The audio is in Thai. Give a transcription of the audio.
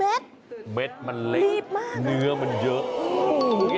คุณดูเม็ดรีบมากอ่ะกูบอกว่าเม็ดรีบมากเนี่ยอ๋อหึวว